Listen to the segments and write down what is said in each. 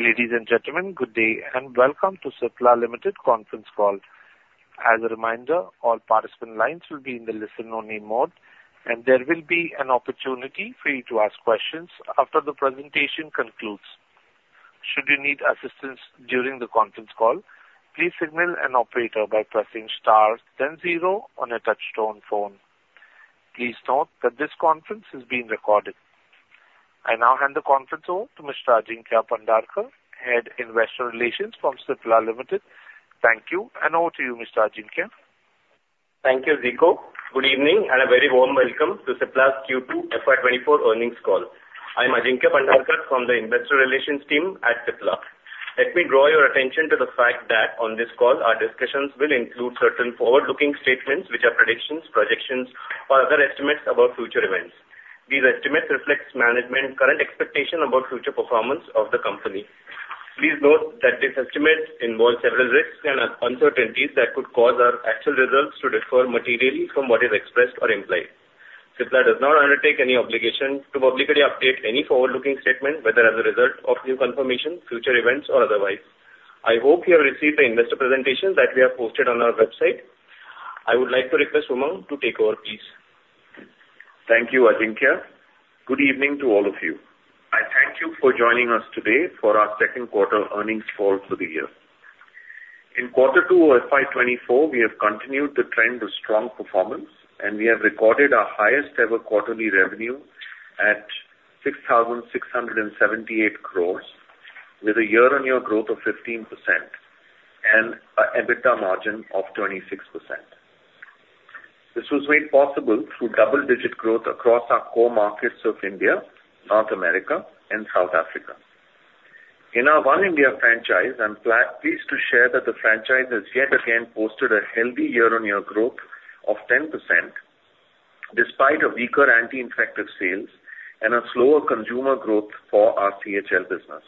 Ladies and gentlemen, good day, and welcome to Cipla Limited Conference Call. As a reminder, all participant lines will be in the listen-only mode, and there will be an opportunity for you to ask questions after the presentation concludes. Should you need assistance during the conference call, please signal an operator by pressing star, then zero on a touch-tone phone. Please note that this conference is being recorded. I now hand the conference over to Mr. Ajinkya Pandharkar, Head Investor Relations from Cipla Limited. Thank you, and over to you, Mr. Ajinkya. Thank you, Ziko. Good evening, and a very warm welcome to Cipla's Q2 FY 2024 earnings call. I'm Ajinkya Pandharkar from the investor relations team at Cipla. Let me draw your attention to the fact that on this call, our discussions will include certain forward-looking statements, which are predictions, projections, or other estimates about future events. These estimates reflects management current expectation about future performance of the company. Please note that these estimates involve several risks and uncertainties that could cause our actual results to differ materially from what is expressed or implied. Cipla does not undertake any obligation to publicly update any forward-looking statement, whether as a result of new confirmation, future events, or otherwise. I hope you have received the investor presentation that we have posted on our website. I would like to request Umang to take over, please. Thank you, Ajinkya. Good evening to all of you. I thank you for joining us today for our second quarter earnings call for the year. In quarter two of FY 2024, we have continued the trend of strong performance, and we have recorded our highest ever quarterly revenue at 6,678 crores, with a year-on-year growth of 15% and a EBITDA margin of 26%. This was made possible through double-digit growth across our core markets of India, North America, and South Africa. In our One India franchise, I'm pleased to share that the franchise has yet again posted a healthy year-on-year growth of 10%, despite a weaker anti-infective sales and a slower consumer growth for our CHL business.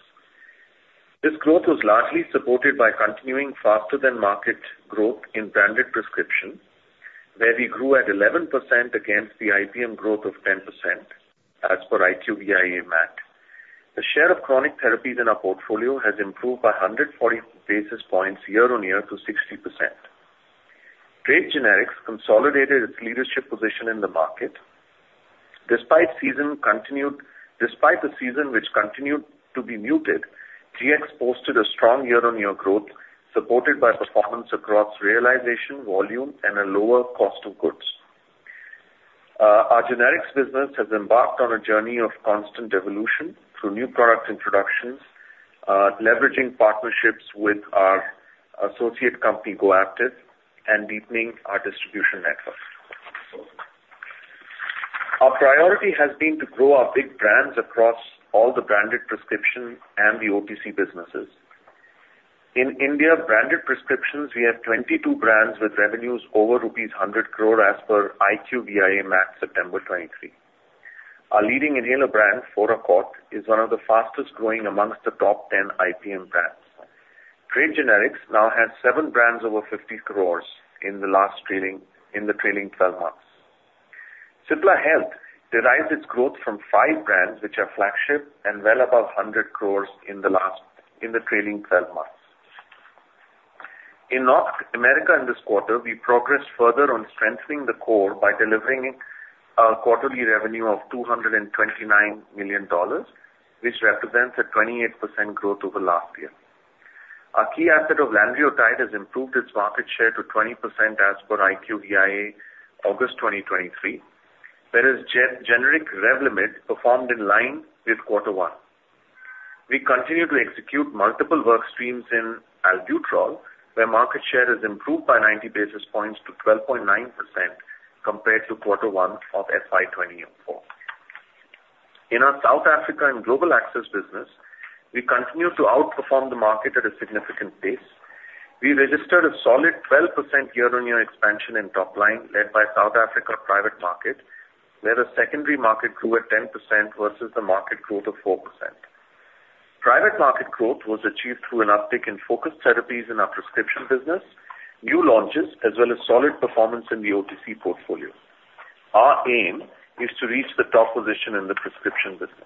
This growth was largely supported by continuing faster than market growth in branded prescription, where we grew at 11% against the IPM growth of 10%, as per IQVIA MAT. The share of chronic therapies in our portfolio has improved by 140 basis points year-on-year to 60%. Trade Generics consolidated its leadership position in the market. Despite the season, which continued to be muted, GX posted a strong year-on-year growth, supported by performance across realization, volume, and a lower cost of goods. Our generics business has embarked on a journey of constant evolution through new product introductions, leveraging partnerships with our associate company, GoApptiv, and deepening our distribution network. Our priority has been to grow our big brands across all the branded prescription and the OTC businesses. In India, branded prescriptions, we have 22 brands with revenues over rupees 100 crore as per IQVIA MAT, September 2023. Our leading inhaler brand, Foracort, is one of the fastest growing amongst the top 10 IPM brands. Trade Generics now has seven brands over 50 crore in the trailing 12 months. Cipla Health derives its growth from five brands, which are flagship and well above 100 crore in the trailing 12 months. In North America in this quarter, we progressed further on strengthening the core by delivering a quarterly revenue of $229 million, which represents a 28% growth over last year. Our key asset of lanreotide has improved its market share to 20% as per IQVIA, August 2023. Whereas generic Revlimid performed in line with quarter one. We continue to execute multiple work streams in albuterol, where market share has improved by 90 basis points to 12.9% compared to quarter one of FY 2024. In our South Africa and Global Access business, we continue to outperform the market at a significant pace. We registered a solid 12% year-on-year expansion in top line, led by South Africa private market, where the secondary market grew at 10% versus the market growth of 4%. Private market growth was achieved through an uptick in focused therapies in our prescription business, new launches, as well as solid performance in the OTC portfolio. Our aim is to reach the top position in the prescription business.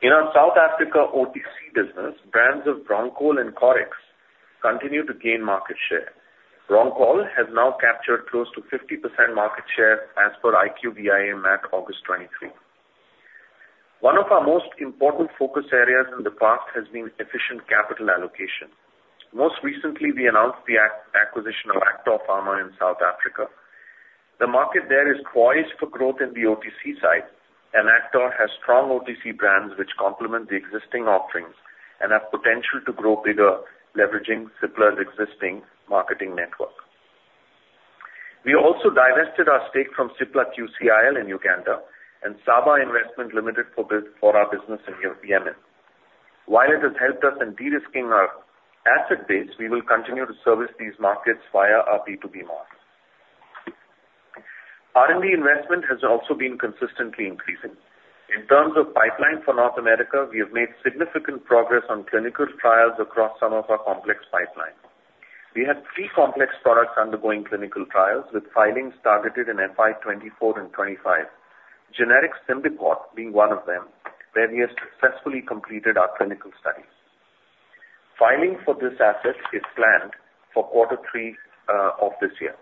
In our South Africa OTC business, brands of Broncol and Coryx continue to gain market share. Broncol has now captured close to 50% market share as per IQVIA MAT, August 2023. One of our most important focus areas in the past has been efficient capital allocation. Most recently, we announced the acquisition of Actor Pharma in South Africa. The market there is poised for growth in the OTC side, and Actor has strong OTC brands which complement the existing offerings and have potential to grow bigger, leveraging Cipla's existing marketing network. We also divested our stake from Cipla QCIL in Uganda and Saba Investment Limited for our business in Yemen. While it has helped us in de-risking our asset base, we will continue to service these markets via our B2B model. R&D investment has also been consistently increasing. In terms of pipeline for North America, we have made significant progress on clinical trials across some of our complex pipeline. We have three complex products undergoing clinical trials, with filings targeted in FY 2024 and 2025. Generic Symbicort being one of them, where we have successfully completed our clinical studies. Filing for this asset is planned for quarter three of this year.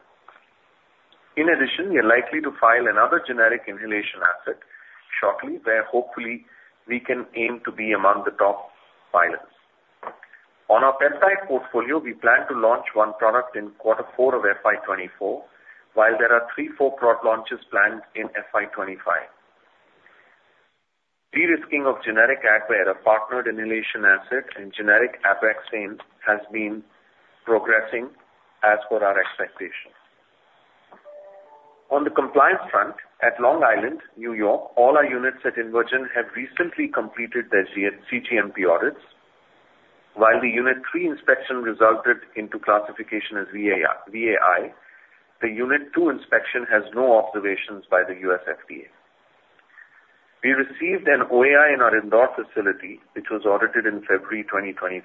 In addition, we are likely to file another generic inhalation asset shortly, where hopefully we can aim to be among the top filers. On our peptide portfolio, we plan to launch one product in quarter four of FY 2024, while there are three to four product launches planned in FY 2025. De-risking of generic Advair, a partnered inhalation asset, and generic Abraxane has been progressing as per our expectations. On the compliance front, at Long Island, New York, all our units at InvaGen have recently completed their cGMP audits. While the Unit III inspection resulted into classification as VAI, the Unit II inspection has no observations by the U.S. FDA. We received an OAI in our Indore facility, which was audited in February 2023.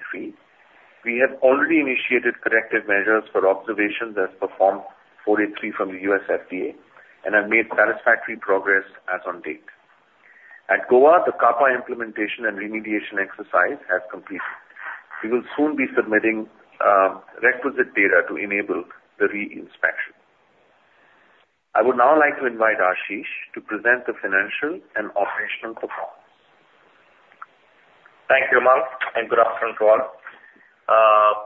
We have already initiated corrective measures for observations as per Form 483 from the U.S. FDA and have made satisfactory progress as on date. At Goa, the CAPA implementation and remediation exercise has completed. We will soon be submitting requisite data to enable the re-inspection. I would now like to invite Ashish to present the financial and operational performance. Thank you, Hemant, and good afternoon to all.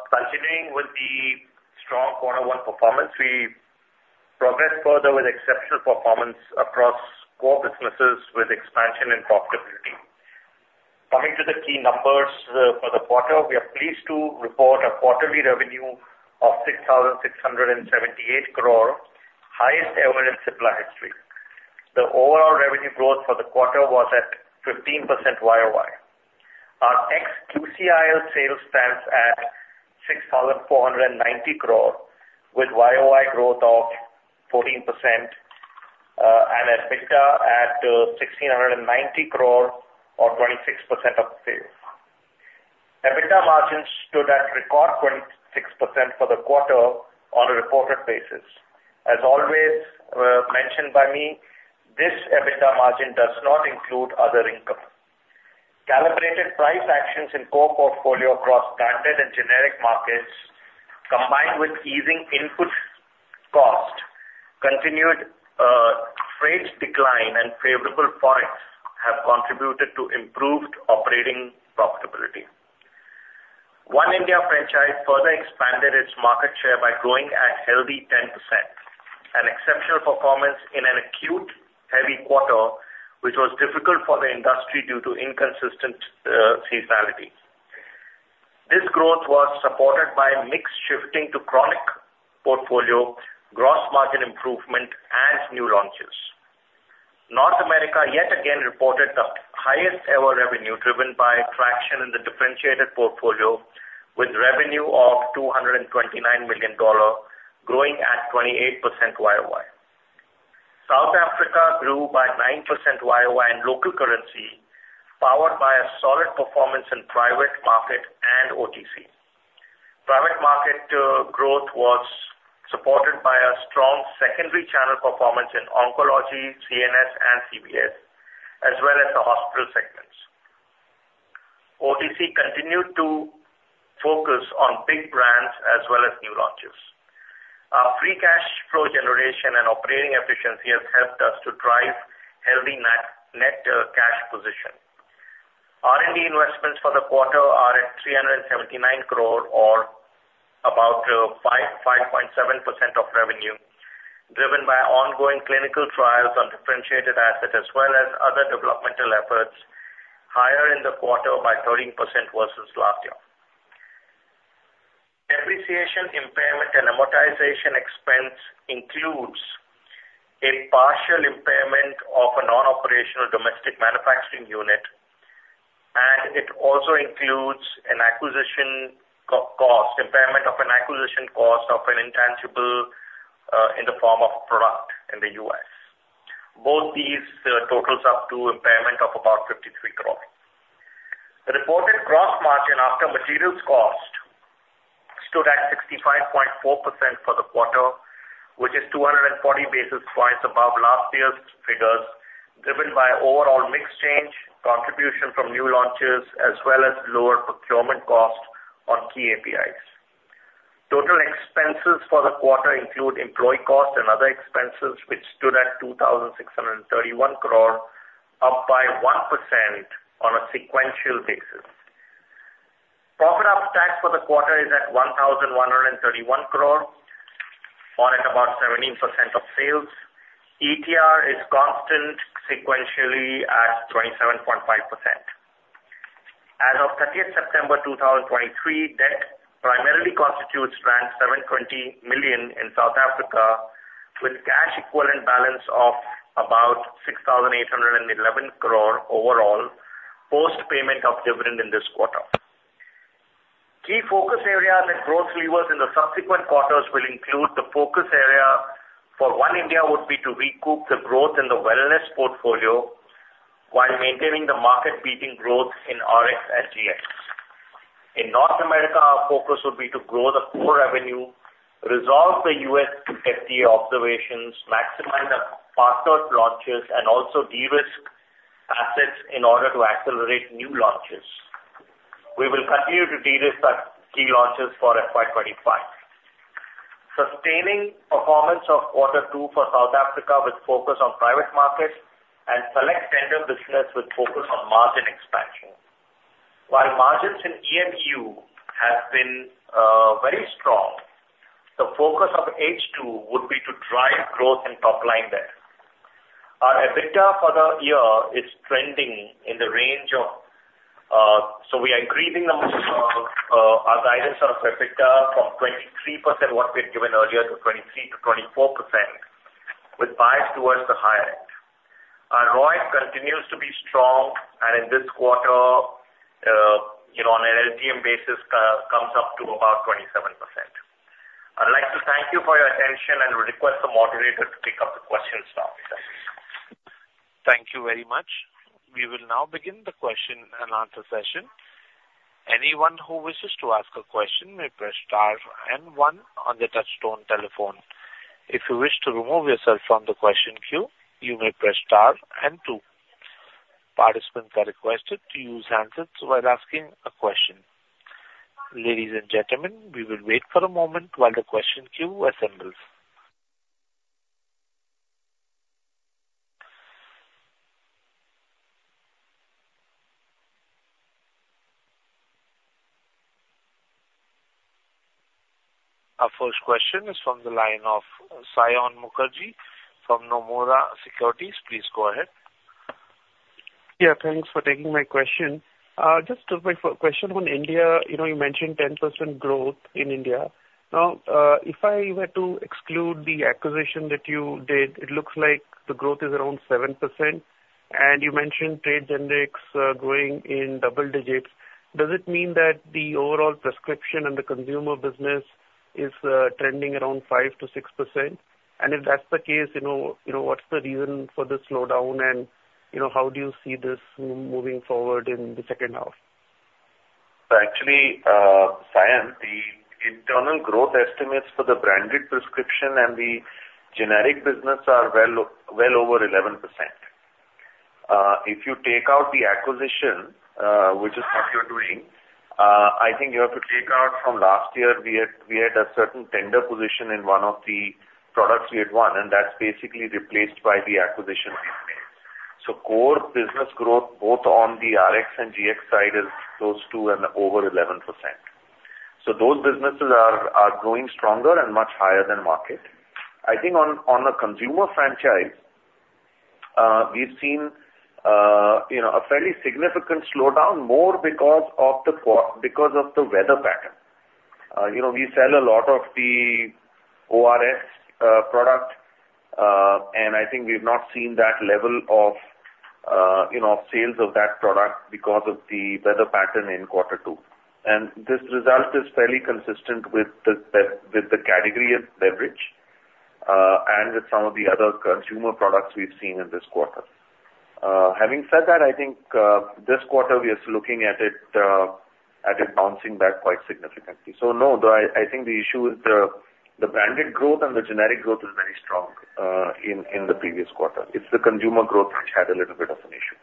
Continuing with the strong quarter one performance, we progressed further with exceptional performance across core businesses with expansion and profitability. Coming to the key numbers, for the quarter, we are pleased to report a quarterly revenue of 6,678 crore, highest ever in Cipla history. The overall revenue growth for the quarter was at 15% YOY. Our ex-QCIL sales stands at 6,490 crore, with YOY growth of 14%, and EBITDA at 1,690 crore or 26% of sales. EBITDA margins stood at record 26% for the quarter on a reported basis. As always, mentioned by me, this EBITDA margin does not include other income. Calibrated price actions in core portfolio across branded and generic markets, combined with easing input cost, continued freight decline and favorable Forex, have contributed to improved operating profitability. One India franchise further expanded its market share by growing at a healthy 10%, an exceptional performance in an acute heavy quarter, which was difficult for the industry due to inconsistent seasonality. This growth was supported by a mix shifting to chronic portfolio, gross margin improvement and new launches. North America yet again reported the highest ever revenue, driven by traction in the differentiated portfolio, with revenue of $229 million, growing at 28% YOY. South Africa grew by 9% YOY in local currency, powered by a solid performance in private market and OTC. Private market growth was supported by a strong secondary channel performance in oncology, CNS, and CVS, as well as the hospital segments. OTC continued to focus on big brands as well as new launches. Our free cash flow generation and operating efficiency has helped us to drive healthy net, net, cash position. R&D investments for the quarter are at 379 crore, or about 5.7% of revenue, driven by ongoing clinical trials on differentiated assets as well as other developmental efforts, higher in the quarter by 13% versus last year. Depreciation, impairment and amortization expense includes a partial impairment of a non-operational domestic manufacturing unit, and it also includes an acquisition co-cost, impairment of an acquisition cost of an intangible, in the form of a product in the U.S.. Both these totals up to impairment of about 53 crore. The reported gross margin after materials cost stood at 65.4% for the quarter, which is 240 basis points above last year's figures, driven by overall mix change, contribution from new launches, as well as lower procurement costs on key APIs. Total expenses for the quarter include employee costs and other expenses, which stood at 2,631 crore, up by 1% on a sequential basis. Profit after tax for the quarter is at 1,131 crore, or at about 17% of sales. ETR is constant sequentially at 27.5%. As of 30th September 2023, debt primarily constitutes 720 million in South Africa, with cash equivalent balance of about 6,811 crore overall, post payment of dividend in this quarter. Key focus areas and growth levers in the subsequent quarters will include the focus area for One India would be to recoup the growth in the wellness portfolio, while maintaining the market-leading growth in RX and GX. In North America, our focus will be to grow the core revenue, resolve the U.S. FDA observations, maximize the partner launches, and also de-risk assets in order to accelerate new launches. We will continue to de-risk our key launches for FY 2025. Sustaining performance of quarter two for South Africa, with focus on private markets and select tender business with focus on margin expansion. While margins in EMU have been very strong, the focus of H2 would be to drive growth in top line there. Our EBITDA for the year is trending in the range of, so we are increasing our guidance on EBITDA from 23%, what we had given earlier, to 23%-24%, with bias towards the higher end. Our ROIC continues to be strong and in this quarter, you know, on an LTM basis, comes up to about 27%. I'd like to thank you for your attention, and will request the moderator to pick up the questions now. Thank you very much. We will now begin the question and answer session. Anyone who wishes to ask a question may press star and one on their touchtone telephone. If you wish to remove yourself from the question queue, you may press star and two. Participants are requested to use handsets while asking a question. Ladies and gentlemen, we will wait for a moment while the question queue assembles. Our first question is from the line of Saion Mukherjee from Nomura Securities. Please go ahead. Yeah, thanks for taking my question. Just my question on India, you know, you mentioned 10% growth in India. Now, if I were to exclude the acquisition that you did, it looks like the growth is around 7%. And you mentioned trade generics growing in double digits. Does it mean that the overall prescription and the consumer business is trending around 5%-6%? And if that's the case, you know, you know, what's the reason for the slowdown, and, you know, how do you see this moving forward in the second half? So actually, Saion, the internal growth estimates for the branded prescription and the generic business are well over 11%. If you take out the acquisition, which is what you're doing, I think you have to take out from last year, we had a certain tender position in one of the products we had won, and that's basically replaced by the acquisition we've made. So core business growth, both on the RX and GX side, is close to and over 11%. So those businesses are growing stronger and much higher than market. I think on the consumer franchise, we've seen, you know, a fairly significant slowdown, more because of the weather pattern. You know, we sell a lot of the ORS product, and I think we've not seen that level of, you know, sales of that product because of the weather pattern in quarter two. And this result is fairly consistent with the, with the category of beverage, and with some of the other consumer products we've seen in this quarter. Having said that, I think, this quarter we are looking at it, at it bouncing back quite significantly. So no, I, I think the issue is the, the branded growth and the generic growth is very strong, in, in the previous quarter. It's the consumer growth which had a little bit of an issue.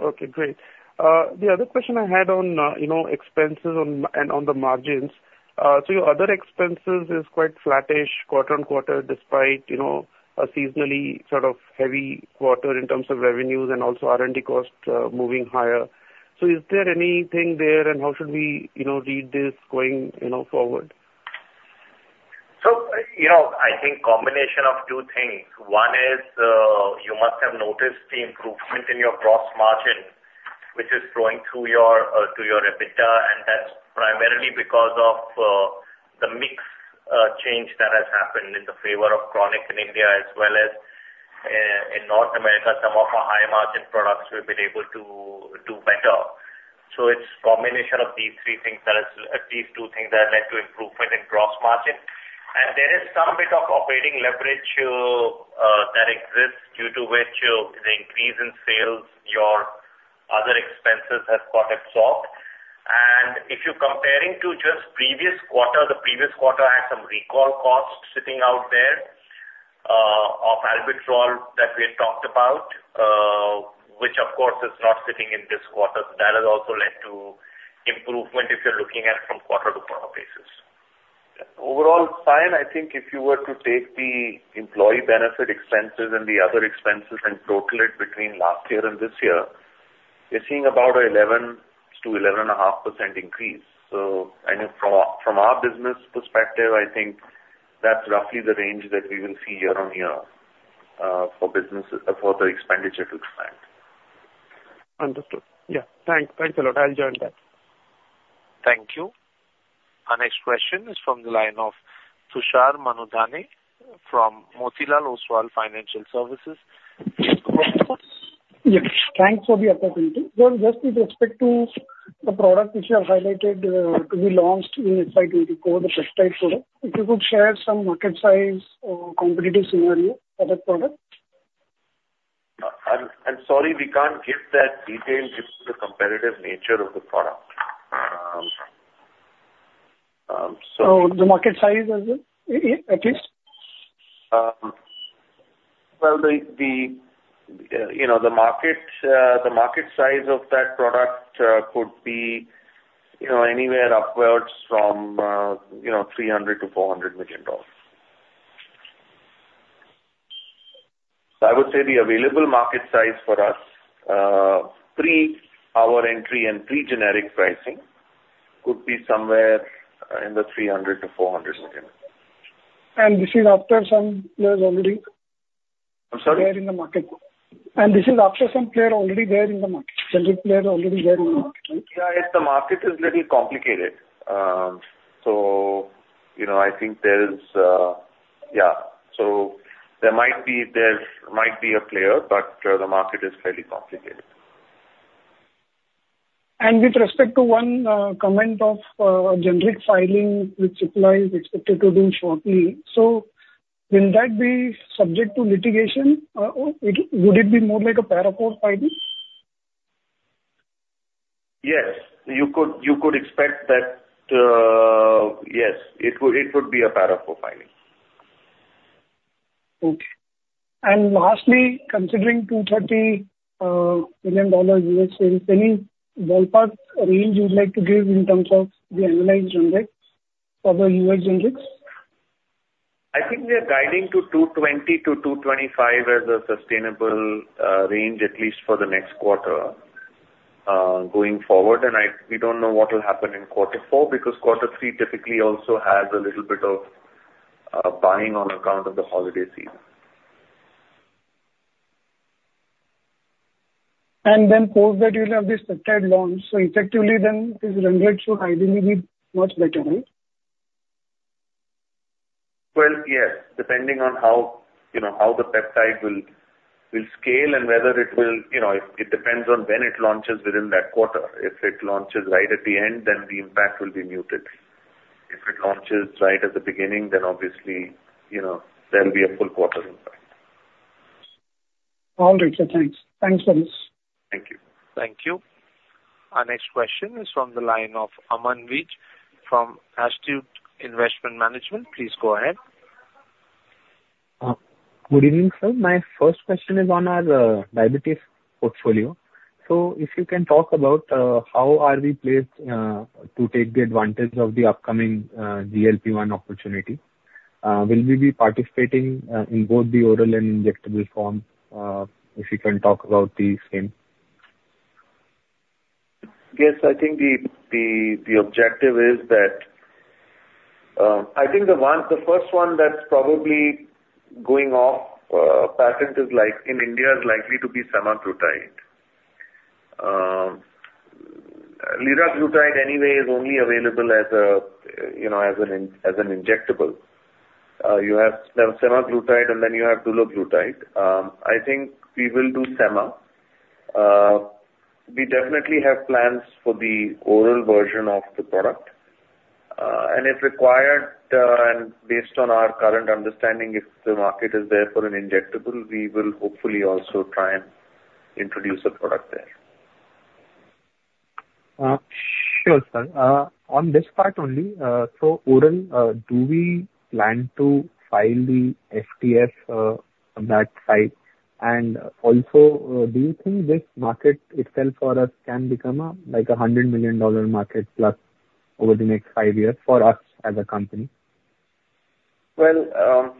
Okay, great. The other question I had on, you know, expenses on, and on the margins. So your other expenses is quite flattish quarter-on-quarter, despite, you know, a seasonally sort of heavy quarter in terms of revenues and also R&D costs moving higher. So is there anything there, and how should we, you know, read this going, you know, forward? So, you know, I think combination of two things. One is, you must have noticed the improvement in your gross margin, which is flowing through your to your EBITDA, and that's primarily because of the mix change that has happened in the favor of chronic in India as well as in North America, some of our high-margin products we've been able to do better. So it's combination of these three things that has... These two things that led to improvement in gross margin. And there is some bit of operating leverage that exists, due to which the increase in sales, your other expenses have got absorbed. If you're comparing to just previous quarter, the previous quarter had some recall costs sitting out there, of albuterol that we had talked about, which of course is not sitting in this quarter. That has also led to improvement if you're looking at from quarter-to-quarter basis. Overall, Saion, I think if you were to take the employee benefit expenses and the other expenses and total it between last year and this year, you're seeing about 11%-11.5% increase. So I think from our, from our business perspective, I think that's roughly the range that we will see year-on-year, for businesses, for the expenditure to expand. Understood. Yeah. Thanks. Thanks a lot. I'll join that. Thank you. Our next question is from the line of Tushar Manudhane from Motilal Oswal Financial Services. Yes, thanks for the opportunity. So just with respect to the product which you have highlighted, to be launched in FY 2024, the peptide product, if you could share some market size or competitive scenario for that product. I'm sorry, we can't give that detail due to the competitive nature of the product. So- So the market size, is it, at least? Well, you know, the market size of that product could be, you know, anywhere upwards from $300 million-$400 million. I would say the available market size for us pre our entry and pre-generic pricing could be somewhere in the $300 million-$400 million. This is after some players already- I'm sorry? There in the market. This is after some player already there in the market, generic player already there in the market. Yeah, the market is little complicated. So, you know, I think there is... Yeah, so there might be, there might be a player, but, the market is fairly complicated. With respect to one comment of generic filing, which applies, expected to do shortly. Will that be subject to litigation, or would it be more like a Para IV filing? Yes, you could, you could expect that, yes, it would, it would be a para four filing. Okay. And lastly, considering $230 million U.S. sales, any ballpark range you would like to give in terms of the annualized generic for the U.S. generics? I think we are guiding to 220-225 as a sustainable range, at least for the next quarter, going forward. We don't know what will happen in quarter four, because quarter three typically also has a little bit of buying on account of the holiday season. And then post that, you'll have this peptide launch, so effectively then, these generics should ideally be much better, right? Well, yes, depending on how, you know, how the peptide will scale and whether it will... You know, it depends on when it launches within that quarter. If it launches right at the end, then the impact will be muted. If it launches right at the beginning, then obviously, you know, there will be a full quarter impact. All good, sir. Thanks. Thanks a lot. Thank you. Thank you. Our next question is from the line of Aman Vij from Astute Investment Management. Please go ahead. Good evening, sir. My first question is on our diabetes portfolio. So if you can talk about how are we placed to take the advantage of the upcoming GLP-1 opportunity. Will we be participating in both the oral and injectable form? If you can talk about the same. Yes, I think the objective is that. I think the one, the first one that's probably going off patent is like, in India, is likely to be semaglutide. Liraglutide anyway is only available as a, you know, as an injectable. You have semaglutide and then you have dulaglutide. I think we will do sema. We definitely have plans for the oral version of the product. And if required, and based on our current understanding, if the market is there for an injectable, we will hopefully also try and introduce a product there. Sure, sir. On this part only, so oral, do we plan to file the FTF on that side? And also, do you think this market itself for us can become a, like a $100 million market plus over the next five years for us as a company? Well,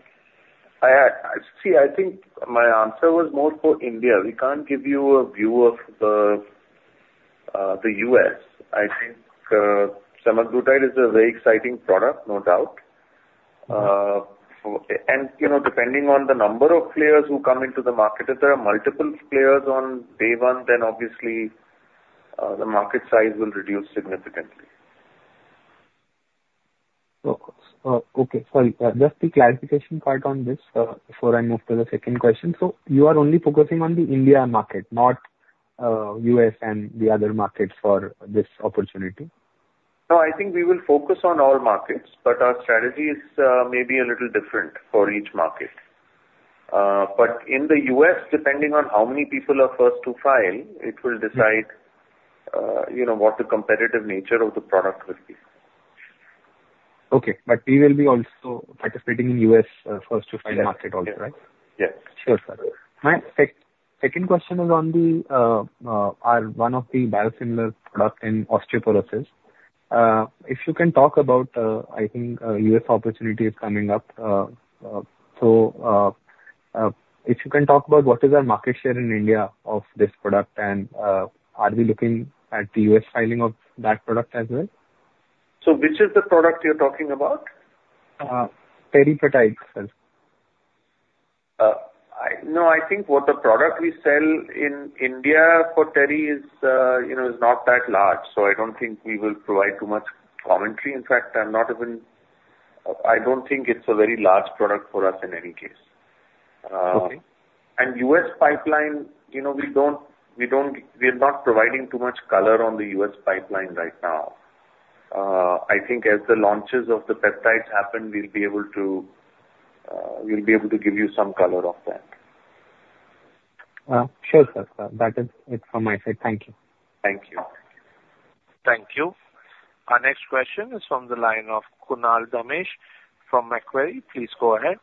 I think my answer was more for India. We can't give you a view of the U.S. I think semaglutide is a very exciting product, no doubt. And, you know, depending on the number of players who come into the market, if there are multiple players on day one, then obviously the market size will reduce significantly. Of course. Okay. Sorry, just the clarification part on this, before I move to the second question. So you are only focusing on the India market, not, U.S. and the other markets for this opportunity? No, I think we will focus on all markets, but our strategy is, maybe a little different for each market. But in the U.S., depending on how many people are first to file, it will decide, you know, what the competitive nature of the product will be. Okay. But we will be also participating in U.S., first to file market also, right? Yes. Sure, sir. My second question is on the, our one of the biosimilar product in osteoporosis. If you can talk about, I think, U.S. opportunity is coming up. So, if you can talk about what is our market share in India of this product, and, are we looking at the U.S. filing of that product as well? Which is the product you're talking about? Teriparatide, sir. No, I think what the product we sell in India for teriparatide is, you know, is not that large, so I don't think we will provide too much commentary. In fact, I don't think it's a very large product for us in any case.... And U.S. pipeline, you know, we are not providing too much color on the U.S. pipeline right now. I think as the launches of the peptides happen, we'll be able to give you some color of that. Sure, sir. That is it from my side. Thank you. Thank you. Thank you. Our next question is from the line of Kunal Dhamesha from Macquarie. Please go ahead.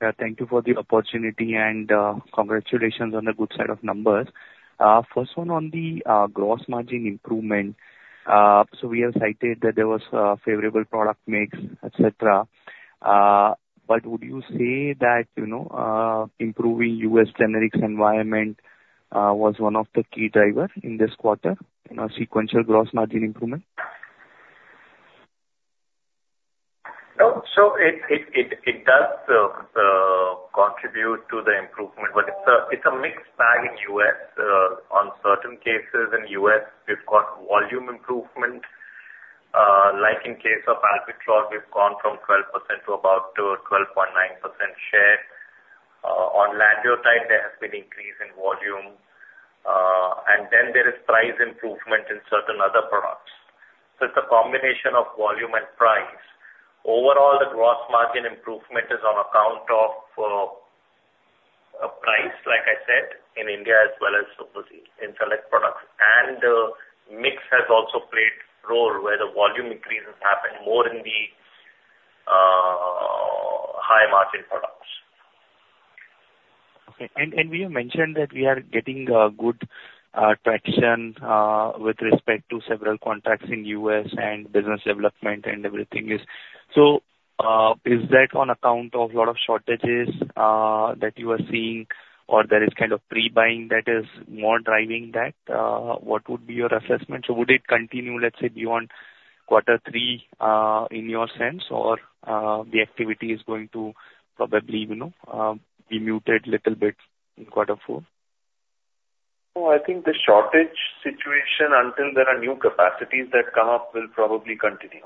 Yeah, thank you for the opportunity and, congratulations on the good set of numbers. First one on the gross margin improvement. So we have cited that there was a favorable product mix, et cetera. But would you say that, you know, improving U.S. generics environment was one of the key drivers in this quarter in our sequential gross margin improvement? No. So it does contribute to the improvement, but it's a mixed bag in U.S. On certain cases in U.S., we've got volume improvement. Like in case of alprazolam, we've gone from 12% to about 12.9% share. On Lanreotide, there has been increase in volume, and then there is price improvement in certain other products. So it's a combination of volume and price. Overall, the gross margin improvement is on account of a price, like I said, in India as well as in select products. Mix has also played role where the volume increases happen more in the high margin products. Okay. We have mentioned that we are getting good traction with respect to several contracts in U.S. and business development and everything is... So, is that on account of lot of shortages that you are seeing, or there is kind of pre-buying that is more driving that? What would be your assessment? So would it continue, let's say, beyond quarter three, in your sense, or the activity is going to probably, you know, be muted little bit in quarter four? No, I think the shortage situation, until there are new capacities that come up, will probably continue.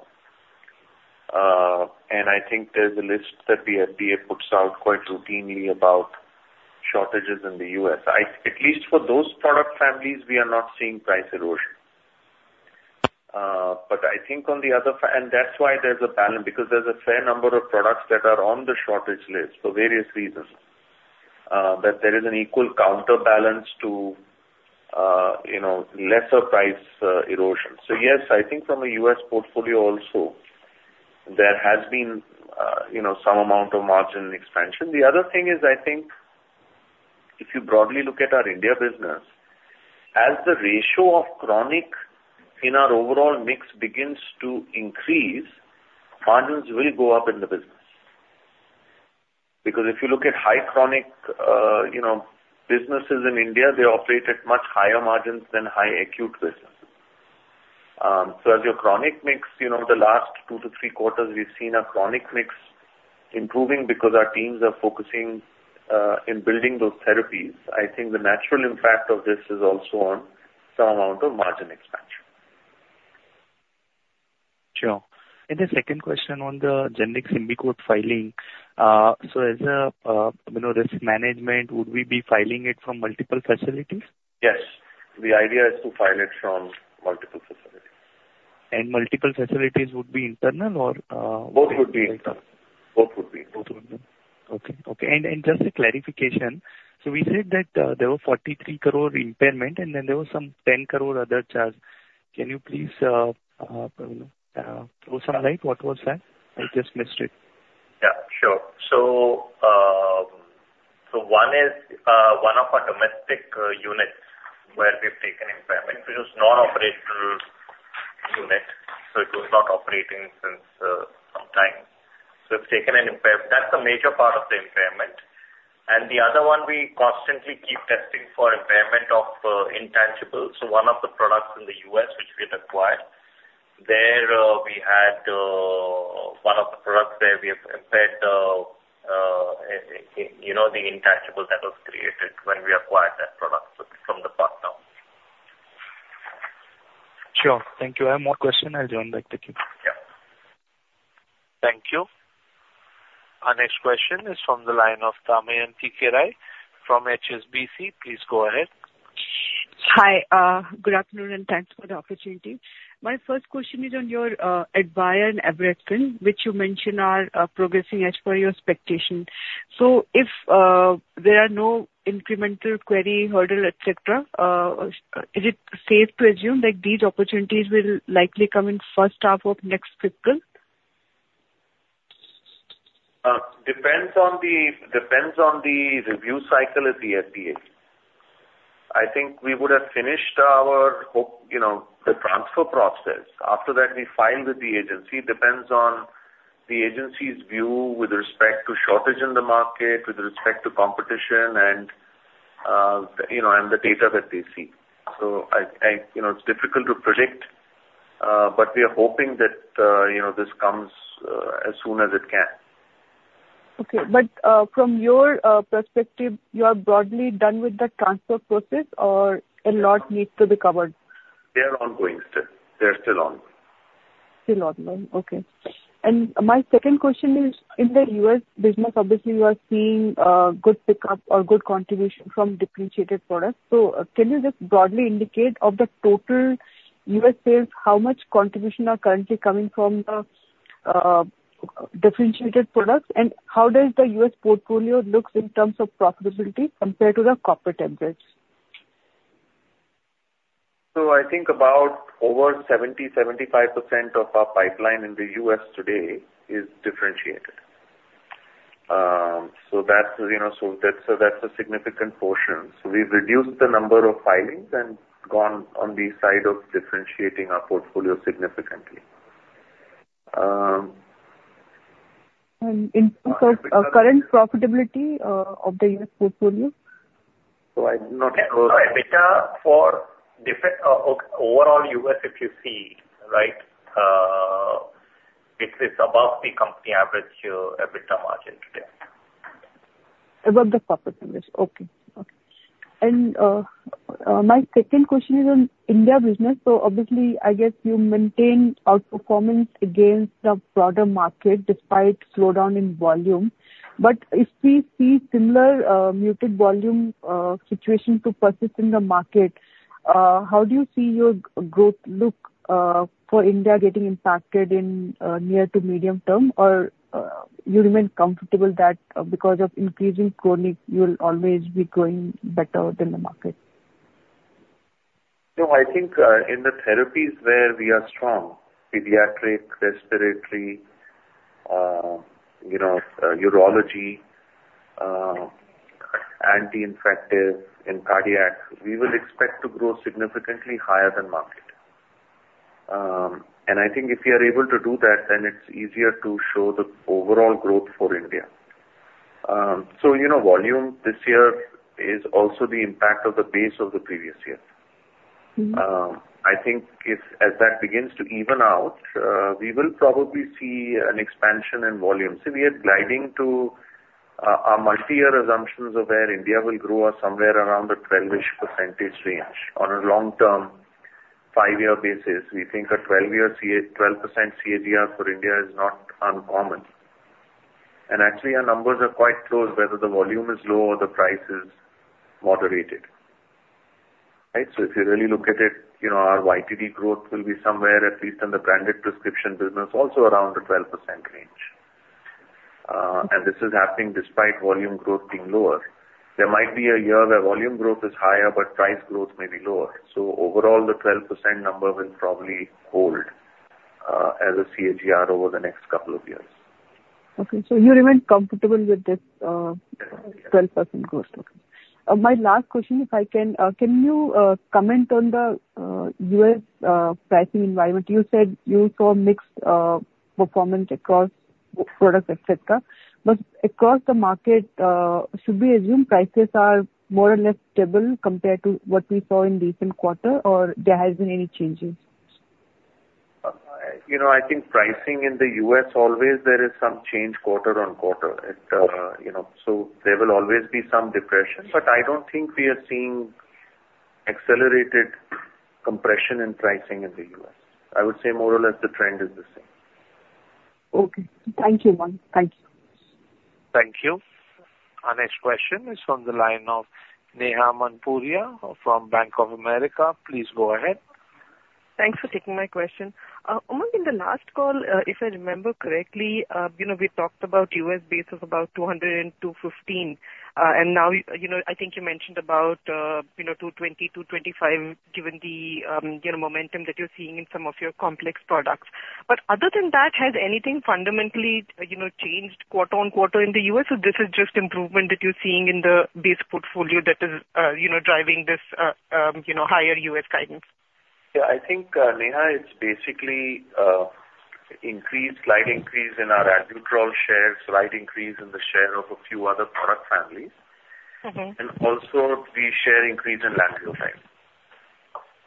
And I think there's a list that the FDA puts out quite routinely about shortages in the U.S. At least for those product families, we are not seeing price erosion. But I think. And that's why there's a balance, because there's a fair number of products that are on the shortage list for various reasons, that there is an equal counterbalance to, you know, lesser price erosion. So yes, I think from a U.S. portfolio also, there has been, you know, some amount of margin expansion. The other thing is, I think, if you broadly look at our India business, as the ratio of chronic in our overall mix begins to increase, margins will go up in the business. Because if you look at high chronic, you know, businesses in India, they operate at much higher margins than high acute businesses. So as your chronic mix, you know, the last two to three quarters, we've seen a chronic mix improving because our teams are focusing in building those therapies. I think the natural impact of this is also on some amount of margin expansion. Sure. The second question on the generic Symbicort filing. So as a, you know, risk management, would we be filing it from multiple facilities? Yes, the idea is to file it from multiple facilities. Multiple facilities would be internal or. Both would be internal. Both would be. Both would be. Okay. Okay, and just a clarification. So we said that there were 43 crore impairment, and then there was some 10 crore other charge. Can you please, you know, throw some light? What was that? I just missed it. Yeah, sure. So, one is one of our domestic units where we've taken impairment, which is non-operational unit, so it was not operating since some time. So we've taken an impairment. That's a major part of the impairment. And the other one, we constantly keep testing for impairment of intangibles. So one of the products in the U.S., which we had acquired, there, we had one of the products where we have impaired, you know, the intangible that was created when we acquired that product from the partner. Sure. Thank you. I have more question. I'll join back with you. Yeah. Thank you. Our next question is from the line of Damayanti Kerai from HSBC. Please go ahead. Hi. Good afternoon, and thanks for the opportunity. My first question is on your Advair and Abraxane, which you mentioned are progressing as per your expectation. So if there are no incremental query, hurdle, et cetera, is it safe to assume that these opportunities will likely come in first half of next fiscal? Depends on the review cycle at the FDA. I think we would have finished our hope, you know, the transfer process. After that, we file with the agency. Depends on the agency's view with respect to shortage in the market, with respect to competition and, you know, and the data that they see. So I... You know, it's difficult to predict, but we are hoping that, you know, this comes as soon as it can. Okay. But, from your perspective, you are broadly done with the transfer process or a lot needs to be covered? They are ongoing still. They're still on.... Still online. Okay. And my second question is: in the U.S. business, obviously, you are seeing good pickup or good contribution from differentiated products. So can you just broadly indicate of the total U.S. sales, how much contribution are currently coming from the differentiated products, and how does the U.S. portfolio look in terms of profitability compared to the corporate templates? So I think about over 70%-75% of our pipeline in the U.S. today is differentiated. So that's, you know, so that's, so that's a significant portion. So we've reduced the number of filings and gone on the side of differentiating our portfolio significantly. In terms of current profitability of the U.S. portfolio? So I do not go- EBITDA for different, overall U.S., if you see, right, it is above the company average, EBITDA margin today. Above the corporate average. Okay. Okay. And my second question is on India business. So obviously, I guess you maintain outperformance against the broader market despite slowdown in volume. But if we see similar muted volume situation to persist in the market, how do you see your growth look for India getting impacted in near to medium term? Or you remain comfortable that because of increasing chronic, you will always be growing better than the market. So I think, in the therapies where we are strong, pediatric, respiratory, you know, urology, anti-infective and cardiac, we will expect to grow significantly higher than market. I think if we are able to do that, then it's easier to show the overall growth for India. You know, volume this year is also the impact of the base of the previous year. Mm-hmm. I think if as that begins to even out, we will probably see an expansion in volume. So we are gliding to, our multi-year assumptions of where India will grow are somewhere around the 12-ish% range. On a long-term, five-year basis, we think a 12% CAGR for India is not uncommon. And actually, our numbers are quite close, whether the volume is low or the price is moderated. Right? So if you really look at it, you know, our YTD growth will be somewhere, at least in the branded prescription business, also around the 12% range. And this is happening despite volume growth being lower. There might be a year where volume growth is higher, but price growth may be lower. So overall, the 12% number will probably hold, as a CAGR over the next couple of years. Okay. So you remain comfortable with this 12% growth. Okay. My last question, if I can, can you comment on the U.S. pricing environment? You said you saw mixed performance across products, et cetera. But across the market, should we assume prices are more or less stable compared to what we saw in recent quarter, or there has been any changes? You know, I think pricing in the U.S., always there is some change quarter-on-quarter. It... You know, so there will always be some depression, but I don't think we are seeing accelerated compression in pricing in the U.S. I would say more or less, the trend is the same. Okay. Thank you, Umang. Thank you. Thank you. Our next question is from the line of Neha Manpuria from Bank of America. Please go ahead. Thanks for taking my question. Umang, in the last call, if I remember correctly, you know, we talked about U.S. base of about $200-$215. And now, you know, I think you mentioned about, you know, $220-$225, given the, you know, momentum that you're seeing in some of your complex products. But other than that, has anything fundamentally, you know, changed quarter-over-quarter in the U.S., or this is just improvement that you're seeing in the base portfolio that is, you know, driving this, you know, higher U.S. guidance? Yeah, I think, Neha, it's basically increased, slight increase in our albuterol shares, slight increase in the share of a few other product families. Mm-hmm. Also the share increase in Lanreotide.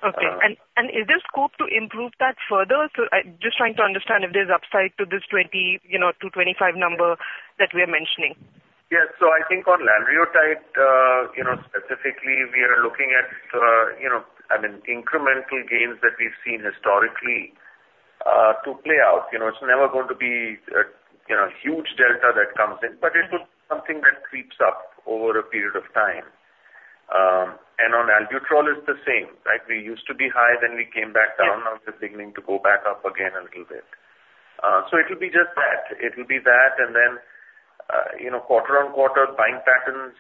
Okay. Uh- Is there scope to improve that further? So just trying to understand if there's upside to this 22-25 number that we are mentioning. Yes. So I think on Lanreotide, you know, specifically, we are looking at, you know, I mean, incremental gains that we've seen historically, to play out. You know, it's never going to be a, you know, huge delta that comes in- Mm-hmm. but it's something that creeps up over a period of time. And on albuterol, it's the same, right? We used to be high, then we came back down. Yes. Now we're beginning to go back up again a little bit. So it'll be just that. It'll be that, and then, you know, quarter-on-quarter, buying patterns,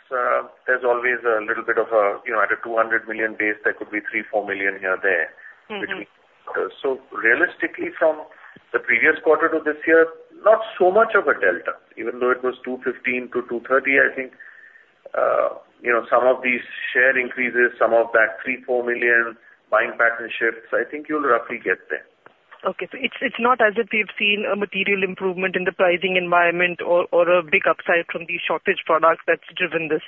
there's always a little bit of a... You know, at an 200 million base, there could be 3 million-4 million here or there- Mm-hmm. Between quarters. So realistically, from the previous quarter to this year, not so much of a delta, even though it was $2.15-$2.30, I think. You know, some of these share increases, some of that 3 million-4 million buying pattern shifts, I think you'll roughly get there. Okay. So it's not as if we've seen a material improvement in the pricing environment or a big upside from these shortage products that's driven this?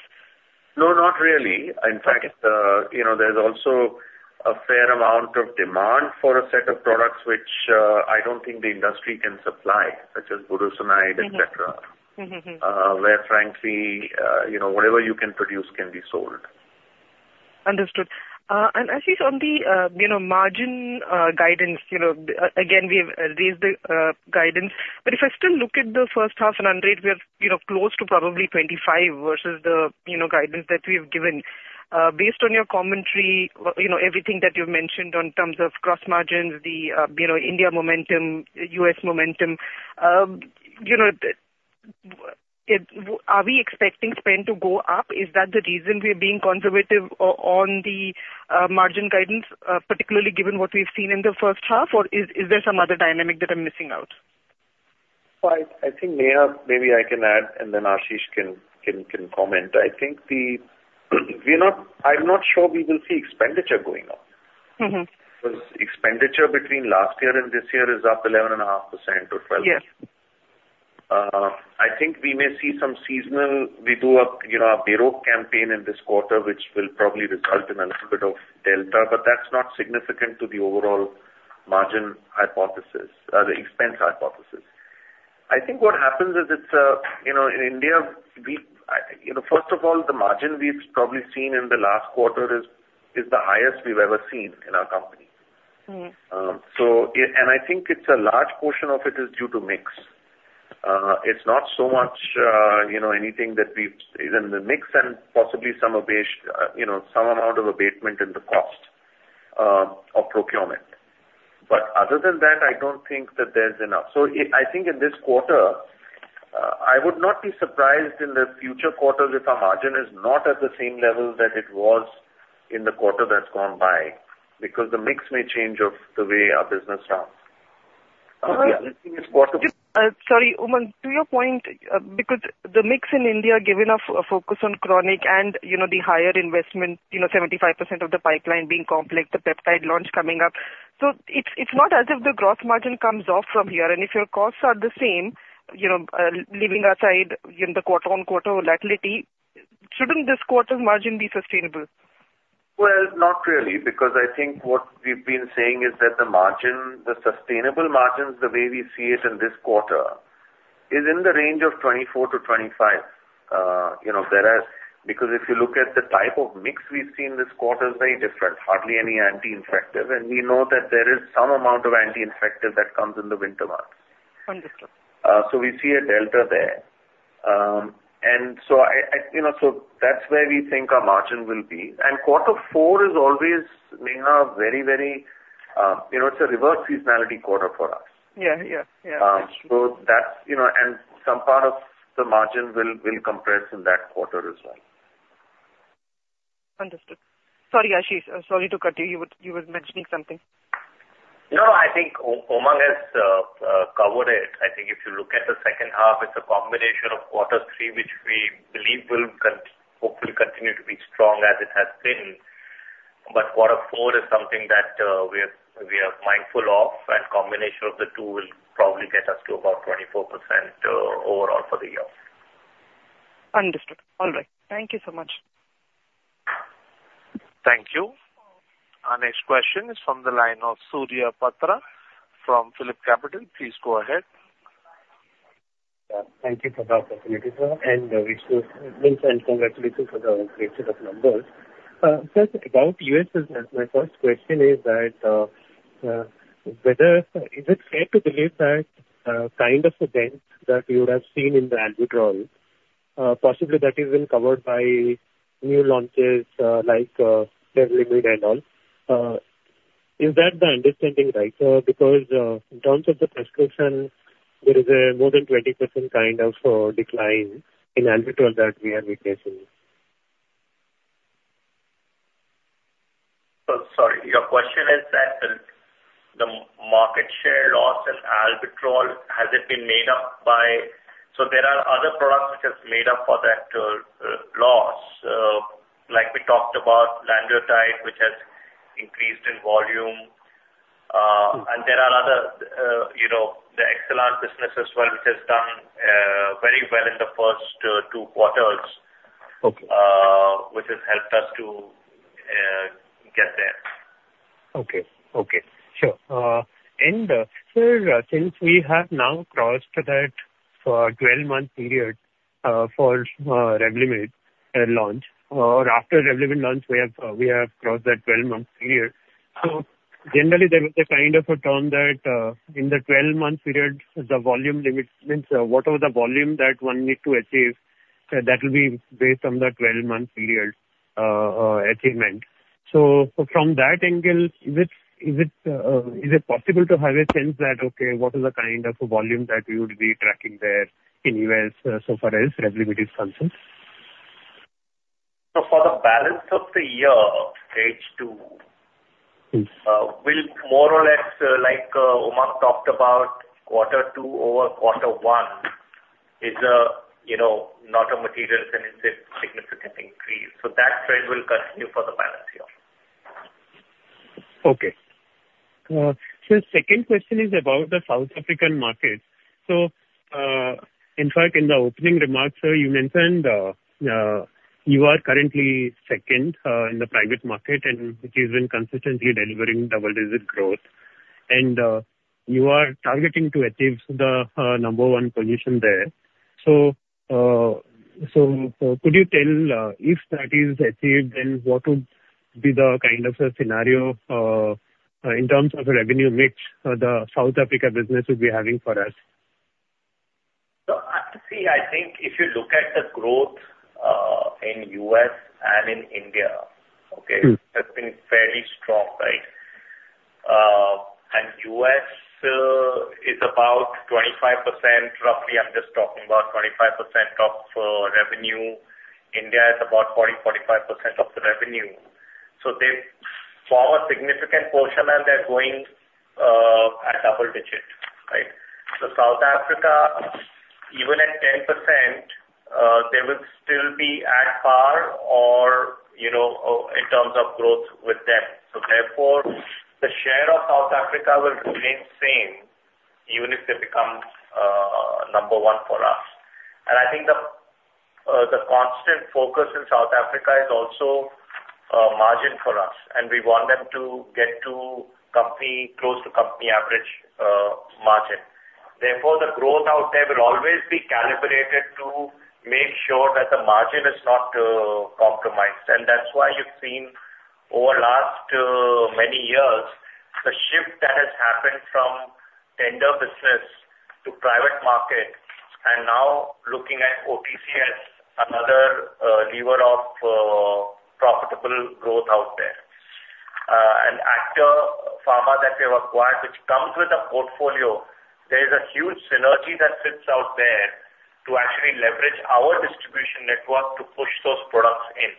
No, not really. Okay. In fact, you know, there's also a fair amount of demand for a set of products which, I don't think the industry can supply, such as budesonide, et cetera. Mm-hmm. Mm-hmm, mm. Where frankly, you know, whatever you can produce can be sold.... Understood. And I think on the, you know, margin guidance, you know, again, we have raised the guidance. But if I still look at the first half and underage, we have, you know, close to probably 25 versus the, you know, guidance that we have given. Based on your commentary, you know, everything that you've mentioned on terms of gross margins, the, you know, India momentum, U.S. momentum, you know, are we expecting spend to go up? Is that the reason we're being conservative on the margin guidance, particularly given what we've seen in the first half? Or is there some other dynamic that I'm missing out? Well, I think, Neha, maybe I can add and then Ashish can comment. I think the... We are not. I'm not sure we will see expenditure going up. Mm-hmm. Because expenditure between last year and this year is up 11.5%-12%. Yes. I think we may see some seasonal. We do a, you know, a bureau campaign in this quarter, which will probably result in a little bit of delta, but that's not significant to the overall margin hypothesis or the expense hypothesis. I think what happens is it's, you know, in India, we... You know, first of all, the margin we've probably seen in the last quarter is the highest we've ever seen in our company. Mm. I think a large portion of it is due to mix. It's not so much, you know, anything that we've... In the mix and possibly some abatement in the cost of procurement. Other than that, I don't think that there's enough. I think in this quarter, I would not be surprised in the future quarters if our margin is not at the same level that it was in the quarter that's gone by, because the mix may change of the way our business runs. Yeah, I think it's possible- Sorry, Umang, to your point, because the mix in India, given a focus on chronic and, you know, the higher investment, you know, 75% of the pipeline being complex, the peptide launch coming up. So it's, it's not as if the gross margin comes off from here, and if your costs are the same, you know, leaving aside in the quarter-on-quarter volatility, shouldn't this quarter's margin be sustainable? Well, not really, because I think what we've been saying is that the margin, the sustainable margins, the way we see it in this quarter, is in the range of 24%-25%. You know, whereas, because if you look at the type of mix we've seen, this quarter is very different. Hardly any anti-infective, and we know that there is some amount of anti-infective that comes in the winter months. Understood. So we see a delta there. And so I... You know, so that's where we think our margin will be. And quarter four is always, Neha, very, very, you know, it's a reverse seasonality quarter for us. Yeah. Yeah, yeah. So that's, you know, and some part of the margin will compress in that quarter as well. Understood. Sorry, Ashish, sorry to cut you. You were mentioning something. No, I think Umang has covered it. I think if you look at the second half, it's a combination of quarter three, which we believe will hopefully continue to be strong as it has been. But quarter four is something that we are mindful of, and combination of the two will probably get us to about 24% overall for the year. Understood. All right. Thank you so much. Thank you. Our next question is from the line of Surya Patra from PhilipCapital. Please go ahead. Yeah, thank you for the opportunity, sir, and wish you wins and congratulations for the great set of numbers. Just about U.S. business, my first question is that, whether is it fair to believe that, kind of event that you would have seen in the albuterol, possibly that is been covered by new launches, like, Revlimid and all. Is that the understanding, right? Because, in terms of the prescription, there is a more than 20% kind of, decline in albuterol that we are witnessing. So sorry, your question is that the, the market share loss in albuterol, has it been made up by... So there are other products which has made up for that, loss. Like we talked about Lanreotide, which has increased in volume. Mm. There are other, you know, the Exelan business as well, which has done very well in the first two quarters. Okay. Which has helped us to get there. Okay. Okay, sure. And sir, since we have now crossed that 12-month period for Revlimid at launch, or after Revlimid launch, we have crossed that 12-month period. So generally, there is a kind of a term that in the 12-month period, the volume limit means what are the volume that one need to achieve, that will be based on the 12-month period achievement. So from that angle, is it possible to have a sense that, okay, what is the kind of volume that you would be tracking there in U.S., so far as Revlimid is concerned? For the balance of the year, H2. Mm. We'll more or less, like, Umang talked about quarter two over quarter one, is, you know, not a material sense, a significant increase. That trend will continue for the balance year. Okay. So second question is about the South African market. So, in fact, in the opening remarks, sir, you mentioned, you are currently second in the private market, and which is been consistently delivering double-digit growth... And, you are targeting to achieve the number one position there. So, so, so could you tell, if that is achieved, then what would be the kind of a scenario in terms of the revenue mix, the South Africa business would be having for us? I have to see, I think if you look at the growth in U.S. and in India, okay? Mm. That's been fairly strong, right? And U.S. is about 25%, roughly. I'm just talking about 25% of revenue. India is about 40%-45% of the revenue. So they form a significant portion, and they're growing at double-digit, right? So South Africa, even at 10%, they will still be at par or, you know, in terms of growth with them. So therefore, the share of South Africa will remain same, even if they become number one for us. And I think the constant focus in South Africa is also margin for us, and we want them to get to company close to company average margin. Therefore, the growth out there will always be calibrated to make sure that the margin is not compromised. That's why you've seen over last many years, the shift that has happened from tender business to private market, and now looking at OTC as another lever of profitable growth out there. And Actor Pharma that we have acquired, which comes with a portfolio, there is a huge synergy that sits out there to actually leverage our distribution network to push those products in.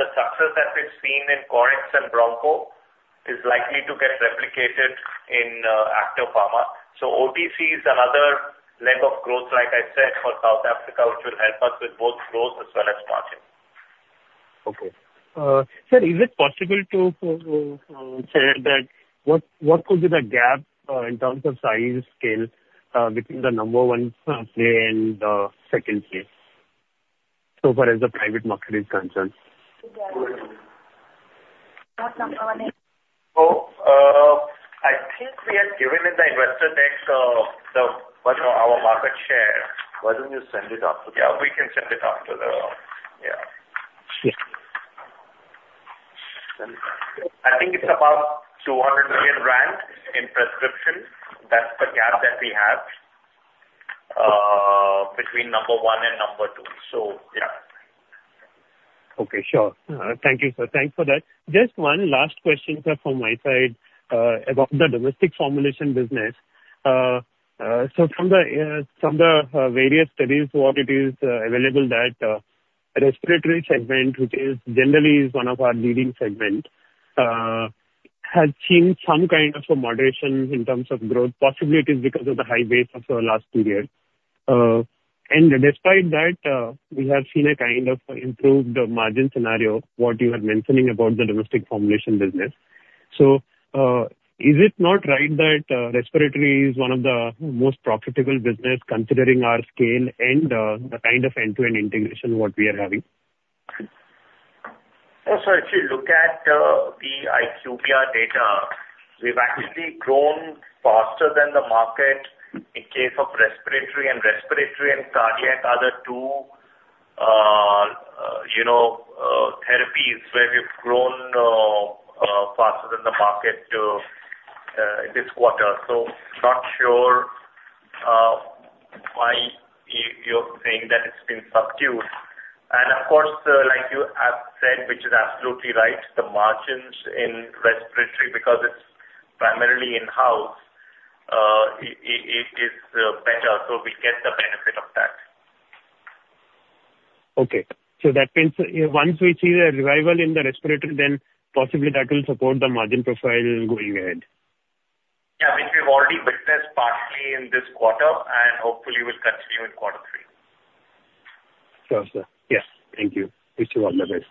The success that we've seen in Coryx and Broncol is likely to get replicated in Actor Pharma. OTC is another leg of growth, like I said, for South Africa, which will help us with both growth as well as margin. Okay. Sir, is it possible to say that what could be the gap in terms of size, scale between the number one player and second place, so far as the private market is concerned? I think we had given in the investor deck what our market share. Why don't you send it out to them? Yeah, we can send it out to them. Yeah. Yes. I think it's about 200 million rand in prescription. That's the gap that we have between number one and number two, so yeah. Okay, sure. Thank you, sir. Thanks for that. Just one last question, sir, from my side, about the domestic formulation business. So from the various studies, what it is available that respiratory segment, which is generally is one of our leading segment, has seen some kind of a moderation in terms of growth. Possibly it is because of the high base of the last two years. And despite that, we have seen a kind of improved margin scenario, what you are mentioning about the domestic formulation business. So, is it not right that respiratory is one of the most profitable business considering our scale and the kind of end-to-end integration what we are having? Oh, so if you look at the IQVIA data, we've actually grown faster than the market in case of respiratory. And respiratory and cardiac are the two, you know, therapies where we've grown faster than the market this quarter. So not sure why you're saying that it's been subdued. And of course, like you have said, which is absolutely right, the margins in respiratory, because it's primarily in-house, it is better, so we get the benefit of that. Okay. So that means once we see a revival in the respiratory, then possibly that will support the margin profile going ahead. Yeah, which we've already witnessed partially in this quarter, and hopefully will continue in quarter three. Sure, sir. Yes, thank you. Wish you all the best.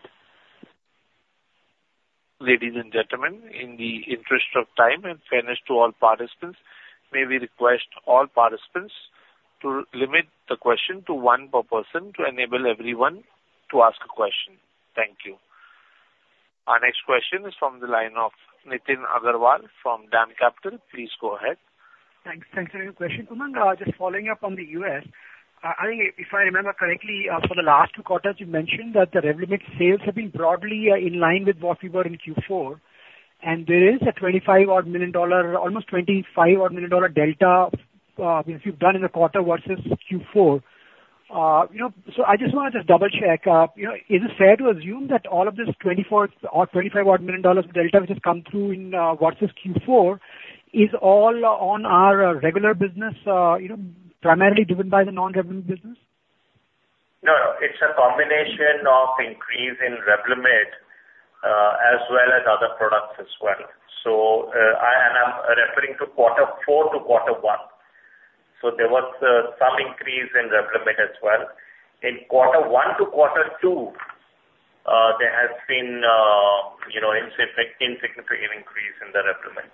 Ladies and gentlemen, in the interest of time and fairness to all participants, may we request all participants to limit the question to one per person to enable everyone to ask a question. Thank you. Our next question is from the line of Nitin Agarwal from Dam Capital. Please go ahead. Thanks. Thanks for your question, Kumar. Just following up on the U.S. I think if I remember correctly, for the last two quarters, you mentioned that the Revlimid sales have been broadly in line with what we were in Q4, and there is a $25-odd million, almost $25-odd million delta, which you've done in the quarter versus Q4. You know, so I just want to just double check. You know, is it fair to assume that all of this $24-odd, $25-odd million dollars delta, which has come through in versus Q4, is all on our regular business, you know, primarily driven by the non-revenue business? No, no, it's a combination of increase in Revlimid, as well as other products as well. So, I'm referring to quarter four to quarter one, so there was some increase in Revlimid as well. In quarter one to quarter two, there has been, you know, insignificant increase in the Revlimid,...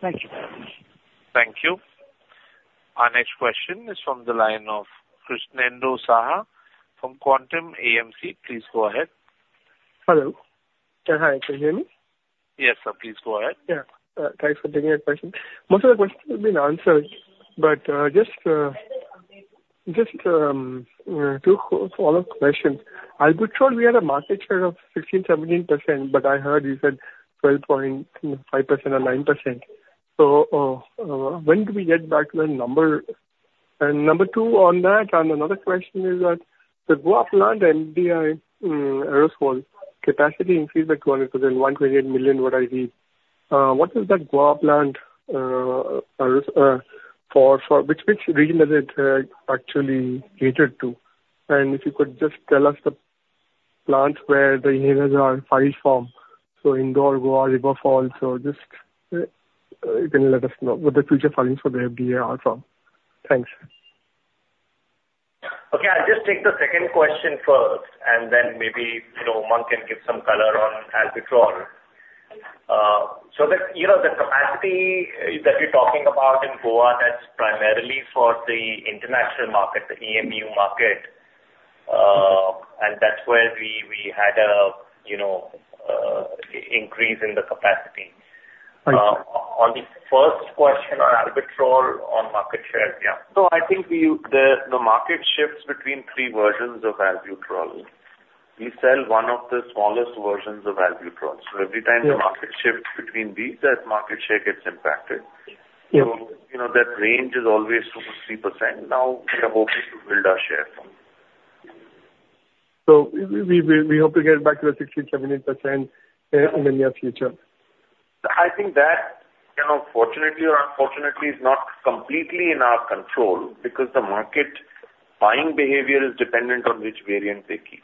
Thank you very much. Thank you. Our next question is from the line of Krishnendu Saha from Quantum AMC. Please go ahead. Hello. Can I, can you hear me? Yes, sir, please go ahead. Yeah. Thanks for taking my question. Most of the questions have been answered, but just just two follow-up questions. albuterol, we had a market share of 16%-17%, but I heard you said 12.5% or 9%. So when do we get back to that number? And number two on that, and another question is that the Goa plant MDI aerosol capacity increased by 201 million what I read. What is that Goa plant aeros for which region is it actually catered to? And if you could just tell us the plants where the inhalers are filed from. So Indore, Goa, Fall River. So just you can let us know what the future filings for the FDA are from. Thanks. Okay, I'll just take the second question first, and then maybe, you know, Umang can give some color on albuterol. So the, you know, the capacity that you're talking about in Goa, that's primarily for the international market, the EMEU market, and that's where we had a, you know, increase in the capacity. Thank you. On the first question on albuterol, on market share. Yeah. So I think the market shifts between three versions of albuterol. We sell one of the smallest versions of albuterol. Yeah. Every time the market shifts between these, that market share gets impacted. Yeah. So, you know, that range is always 2%-3%. Now, we are hoping to build our share from. So we hope to get back to the 16%-17% in the near future. I think that, you know, fortunately or unfortunately, is not completely in our control because the market buying behavior is dependent on which variant they keep.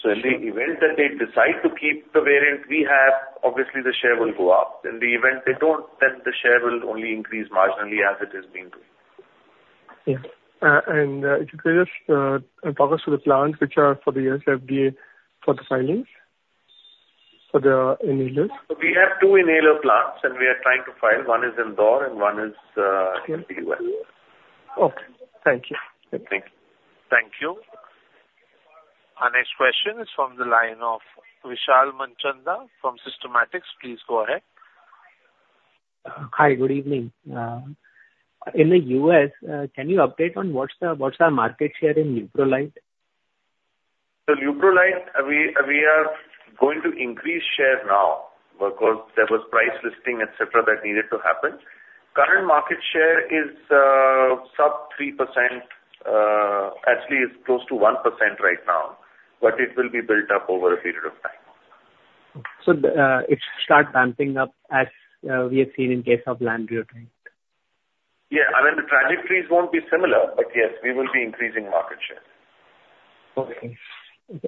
Sure. In the event that they decide to keep the variant we have, obviously, the share will go up. In the event they don't, then the share will only increase marginally as it has been doing. Yeah. And if you could just talk us through the plans which are for the FDA, for the filings, for the inhalers. We have two inhaler plants, and we are trying to file. One is in Indore and one is in the U.S. Okay. Thank you. Thank you. Thank you. Our next question is from the line of Vishal Manchanda from Systematix. Please go ahead. Hi, good evening. In the U.S., can you update on what's the, what's our market share in Leuprolide? So Leuprolide, we, we are going to increase share now, because there was price listing, et cetera, that needed to happen. Current market share is sub-3%. Actually, it's close to 1% right now, but it will be built up over a period of time. So, it should start ramping up as we have seen in case of Lanreotide? Yeah. I mean, the trajectories won't be similar, but yes, we will be increasing market share. Okay.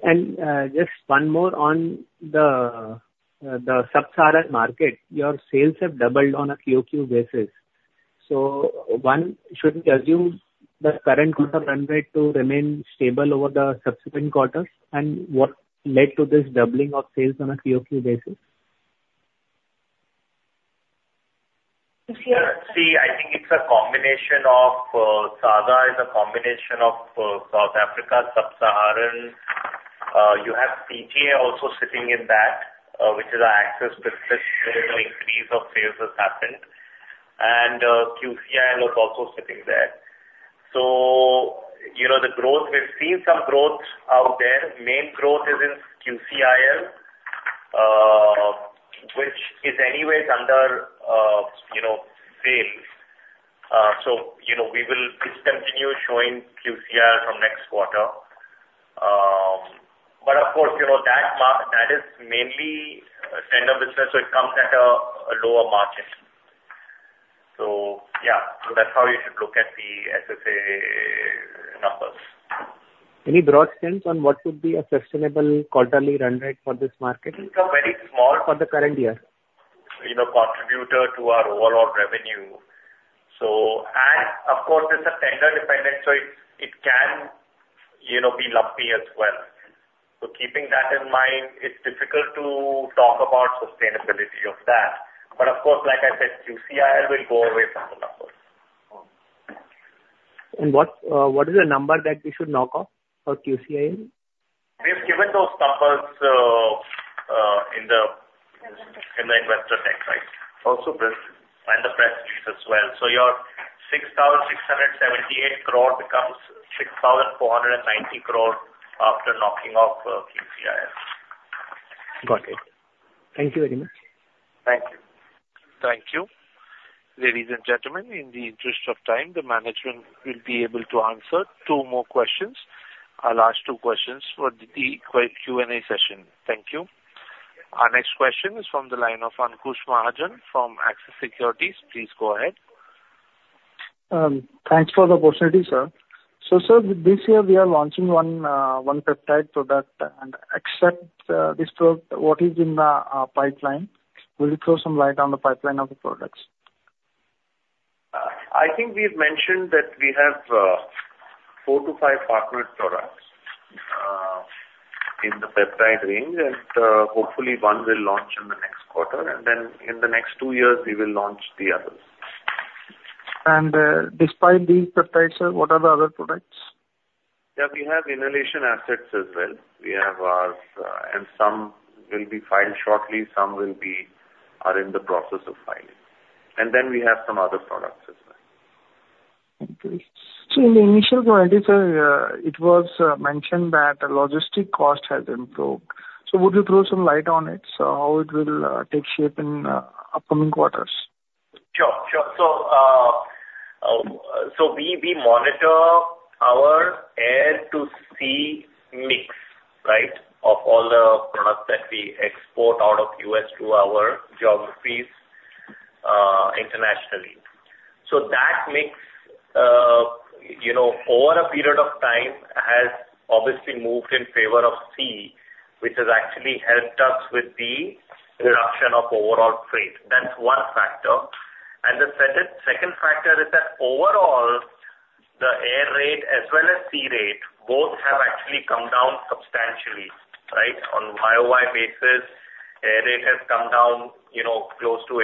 And, just one more on the sub-Saharan market. Your sales have doubled on a QOQ basis. So one, should we assume the current quarter run rate to remain stable over the subsequent quarters, and what led to this doubling of sales on a QOQ basis? Yeah. See, I think it's a combination of, SAGA is a combination of, South Africa, sub-Saharan. You have CGA also sitting in that, which is our access business, where the increase of sales has happened. And, QCIL is also sitting there. So, you know, the growth... We've seen some growth out there. Main growth is in QCIL, which is anyways under, you know, sales. So, you know, we will discontinue showing QCIL from next quarter. But of course, you know, that mar-- that is mainly a standard business, so it comes at a lower margin. So yeah, so that's how you should look at the SSA numbers. Any broad sense on what would be a sustainable quarterly run rate for this market? It's a very small- for the current year?... You know, contributor to our overall revenue. So, and of course, it's a tender dependent, so it can, you know, be lumpy as well. So keeping that in mind, it's difficult to talk about sustainability of that. But of course, like I said, QCIL will go away from the numbers. What, what is the number that we should knock off for QCIL? We've given those numbers in the investor deck, right? Also, press release. The press release as well. Your 6,678 crore becomes 6,490 crore after knocking off QCIL. Got it. Thank you very much. Thank you. Thank you. Ladies and gentlemen, in the interest of time, the management will be able to answer two more questions. Our last two questions for the Q&A session. Thank you. Our next question is from the line of Ankush Mahajan from Axis Securities. Please go ahead. Thanks for the opportunity, sir. So, sir, this year we are launching one peptide product. And except this product, what is in the pipeline? Will you throw some light on the pipeline of the products? I think we've mentioned that we have four to five partner products in the peptide range, and hopefully one will launch in the next quarter, and then in the next two years, we will launch the others. Despite these peptides, sir, what are the other products? Yeah, we have inhalation assets as well. We have our... And some will be filed shortly, some are in the process of filing. And then we have some other products as well. Okay. So in the initial slide, sir, it was mentioned that the logistics cost has improved. So would you throw some light on it? So how it will take shape in upcoming quarters? Sure, sure. So, so we monitor our air to sea mix, right? Of all the products that we export out of U.S. to our geographies, internationally. So that mix, you know, over a period of time, has obviously moved in favor of sea, which has actually helped us with the reduction of overall freight. That's one factor. And the second factor is that overall, the air rate as well as sea rate, both have actually come down substantially, right? On YOY basis, air rate has come down, you know, close to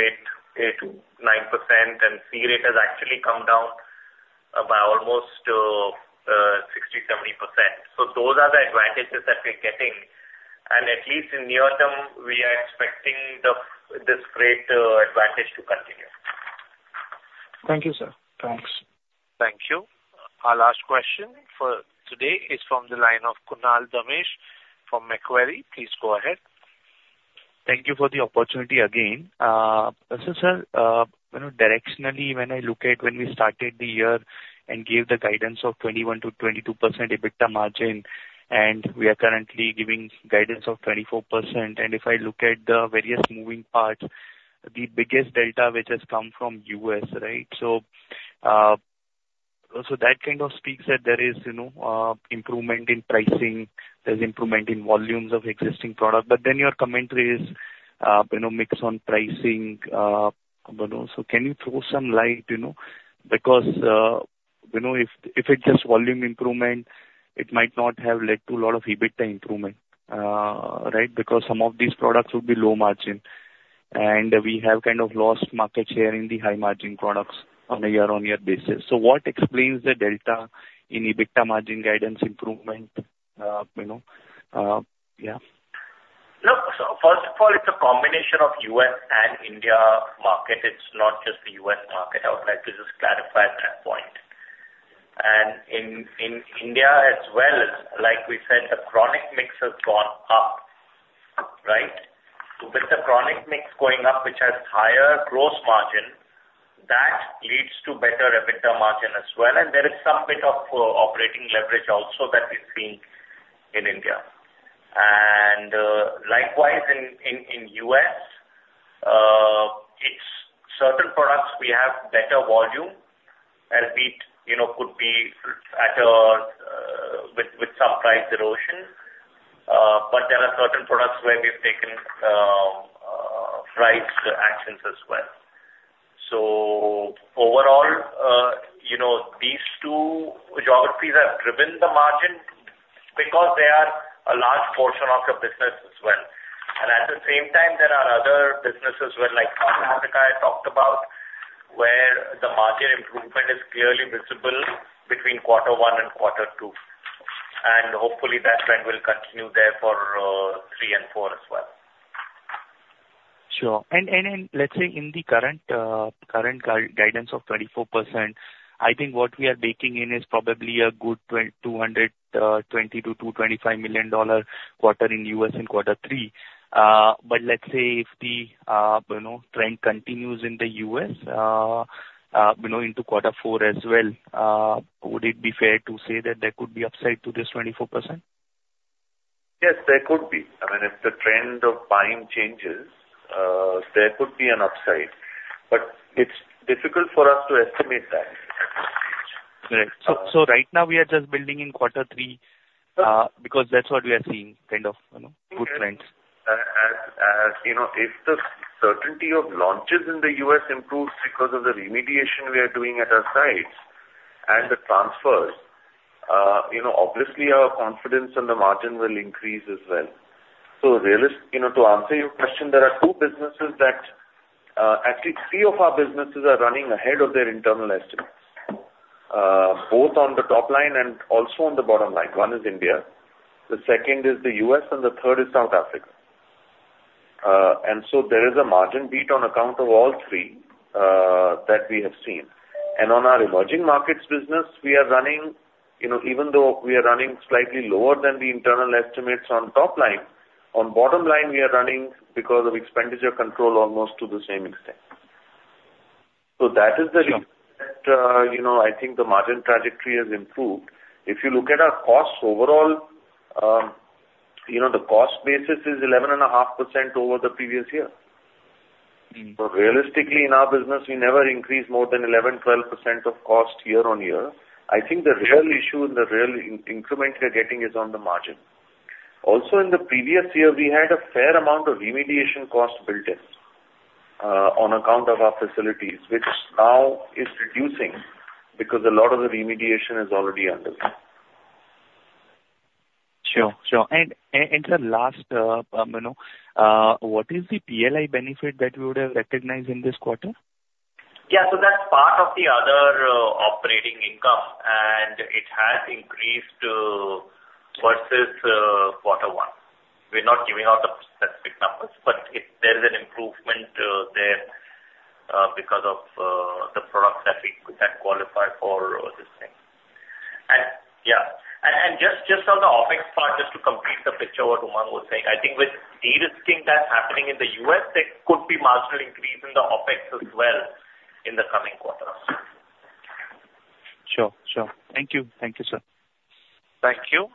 8%-9%, and sea rate has actually come down by almost, 60-70%. So those are the advantages that we're getting, and at least in near term, we are expecting this great advantage to continue. Thank you, sir. Thanks. Thank you. Our last question for today is from the line of Kunal Dhamesha from Macquarie. Please go ahead. Thank you for the opportunity again. So, sir, you know, directionally, when I look at when we started the year and gave the guidance of 21%-22% EBITDA margin, and we are currently giving guidance of 24%. And if I look at the various moving parts, the biggest delta, which has come from U.S., right? So, so that kind of speaks that there is, you know, improvement in pricing, there's improvement in volumes of existing product. But then your commentary is, you know, mixed on pricing, you know, so can you throw some light, you know? Because, you know, if, if it's just volume improvement, it might not have led to a lot of EBITDA improvement, right? Because some of these products would be low margin, and we have kind of lost market share in the high margin products on a year-on-year basis. So what explains the delta in EBITDA margin guidance improvement, you know? Look, so first of all, it's a combination of U.S. and India market. It's not just the U.S. market. I would like to just clarify that point. In India as well, like we said, the chronic mix has gone up, right? So with the chronic mix going up, which has higher gross margin, that leads to better EBITDA margin as well. There is some bit of operating leverage also that we've seen in India. And likewise, in U.S., it's certain products we have better volume, albeit, you know, could be at a with some price erosion. But there are certain products where we've taken right actions as well. So overall, you know, these two geographies have driven the margin because they are a large portion of the business as well. At the same time, there are other businesses where, like South Africa, I talked about, where the margin improvement is clearly visible between quarter one and quarter two, and hopefully that trend will continue there for three and four as well. Sure. In the current guidance of 24%, I think what we are baking in is probably a good $220 million-$225 million quarter in the U.S. in quarter three. Let's say if the trend continues in the U.S. into quarter four as well, would it be fair to say that there could be upside to this 24%? Yes, there could be. I mean, if the trend of buying changes, there could be an upside, but it's difficult for us to estimate that at this stage. Right. So right now we are just building in quarter three, because that's what we are seeing, kind of, you know, good trends. As you know, if the certainty of launches in the U.S. improves because of the remediation we are doing at our sites and the transfers, you know, obviously our confidence in the margin will increase as well. So realist- you know, to answer your question, there are two businesses that, actually three of our businesses are running ahead of their internal estimates, both on the top line and also on the bottom line. One is India, the second is the U.S., and the third is South Africa. And so there is a margin beat on account of all three that we have seen. On our emerging markets business, we are running, you know, even though we are running slightly lower than the internal estimates on top line, on bottom line, we are running because of expenditure control almost to the same extent. That is the reason. Sure. You know, I think the margin trajectory has improved. If you look at our costs overall, you know, the cost basis is 11.5% over the previous year. Mm. Realistically, in our business, we never increase more than 11%-12% of cost year-on-year. I think the real issue and the real increment we are getting is on the margin. Also, in the previous year, we had a fair amount of remediation costs built in on account of our facilities, which now is reducing because a lot of the remediation is already underway. Sure, sure. And, sir, last, you know, what is the PLI benefit that we would have recognized in this quarter? Yeah, so that's part of the other operating income, and it has increased versus quarter one. We're not giving out the specific numbers, but there is an improvement there because of the products that qualify for this thing. And yeah, just on the OpEx part, just to complete the picture what Umang was saying, I think with de-risking that's happening in the U.S., there could be marginal increase in the OpEx as well in the coming quarters. Sure, sure. Thank you. Thank you, sir. Thank you.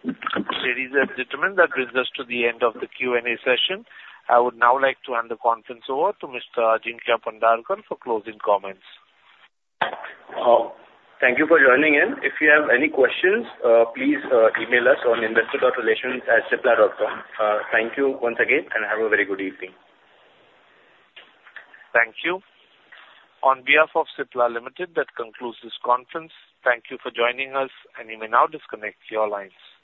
Ladies and gentlemen, that brings us to the end of the Q&A session. I would now like to hand the conference over to Mr. Ajinkya Pandharkar for closing comments. Thank you for joining in. If you have any questions, please, email us on investor.relations@cipla.com. Thank you once again, and have a very good evening. Thank you. On behalf of Cipla Limited, that concludes this conference. Thank you for joining us, and you may now disconnect your lines.